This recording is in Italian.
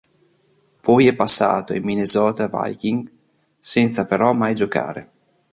Poi è passato ai Minnesota Vikings senza però mai giocare.